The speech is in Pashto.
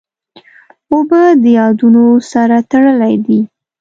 اوبه د یادونو سره تړلې دي.